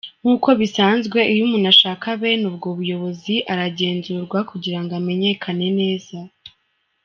Nkuko bisanzwe iyo umuntu ashaka bene ubwo buyobozi aragenzurwa kugirango amenyekane neza.